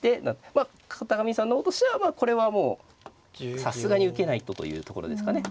まあ片上さんの方としてはこれはもうさすがに受けないとというところですかね。